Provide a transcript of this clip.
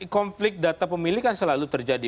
konflik data pemilih kan selalu terjadi